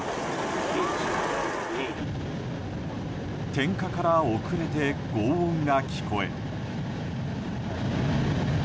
点火から遅れて轟音が聞こえ。